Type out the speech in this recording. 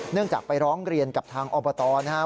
จากไปร้องเรียนกับทางอบตนะครับ